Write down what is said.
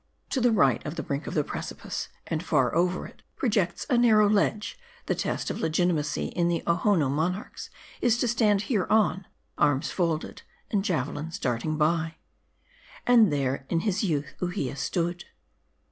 To the right of the brink of the precipice, and far over it, projects a narrow ledge. The test of legitimacy in the Ohonoo monarchs is to stand hereon, arms folded, and jave lins darting by. And there in his youth Uhia stood.